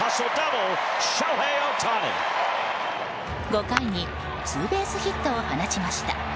５回にツーベースヒットを放ちました。